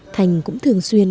thành cũng thường xuyên